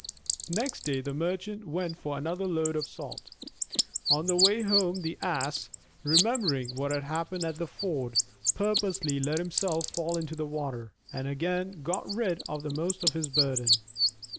Next day the Merchant went for another load of salt. On the way home the Ass, remembering what had happened at the ford, purposely let himself fall into the water, and again got rid of most of his burden.